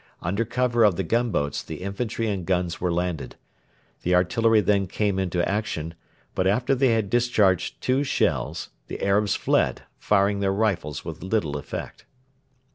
Under cover of the gunboats the infantry and guns were landed. The artillery then came into action, but after they had discharged two shells, the Arabs fled, firing their rifles with little effect.